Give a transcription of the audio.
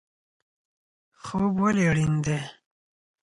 خوب ولې اړین دی؟